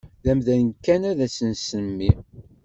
D amdan kan ad s-nsemmi.